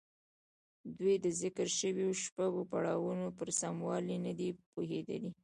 دوی د ذکر شويو شپږو پړاوونو پر سموالي نه دي پوهېدلي.